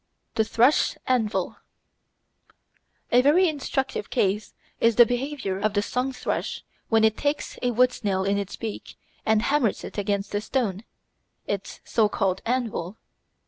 The Thrush's Anvil A very instructive case is the behaviour of the song thrush when it takes a wood snail in its beak and hammers it against a stone, its so called anvil.